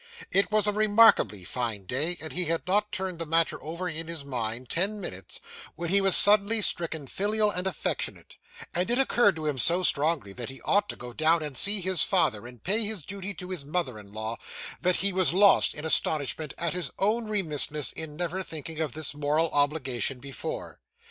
It was a remarkably fine day; and he had not turned the matter over in his mind ten minutes, when he was suddenly stricken filial and affectionate; and it occurred to him so strongly that he ought to go down and see his father, and pay his duty to his mother in law, that he was lost in astonishment at his own remissness in never thinking of this moral obligation before.